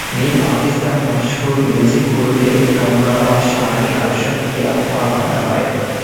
މިއީ ޕާކިސްތާނުގެ މަޝްހޫރު މިއުޒިކު ކުޅުންތެރިއެއް ކަމުގައިވާ ޝާނީ އަރްޝަދް ކިޔާފައިވާ ލަވައެއް